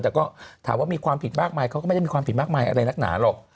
แต่ก็ถามว่ามีความผิดมากมายเขาก็ไม่ได้มีความผิดมากมายอะไรนักหนาหรอก